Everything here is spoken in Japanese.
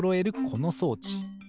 この装置。